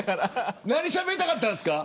何しゃべりたかったんですか。